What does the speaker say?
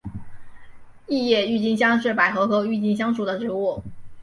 异叶郁金香是百合科郁金香属的植物。